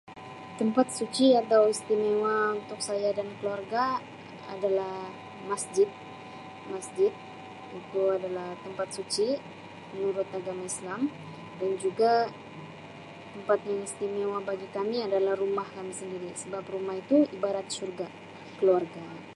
Tempat suci atau istimewa untuk saya dan keluarga adalah masjid masjid itu adalah tempat suci menurut agama islam dan juga tempat yang istimewa bagi kami adalah rumah kami sendiri sebab rumah itu ibarat syurga keluarga.